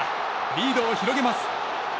リードを広げます。